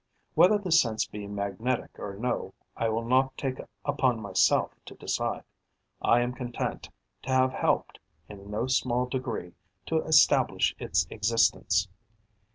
Whether this sense be magnetic or no I will not take upon myself to decide; I am content to have helped, in no small degree, to establish its existence.